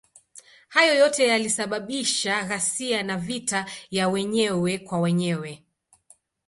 Hayo yote yalisababisha ghasia na vita ya wenyewe kwa wenyewe.